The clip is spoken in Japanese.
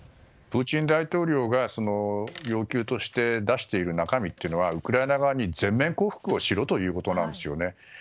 プーチン大統領が要求として出している中身はウクライナ側に全面降伏をしろということなんですよね。